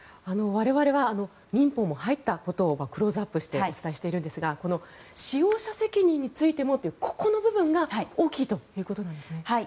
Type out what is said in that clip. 我々は、民法も入ったことをクローズアップしてお伝えしているんですが使用者責任についてもというここの部分が大きいということなんですね。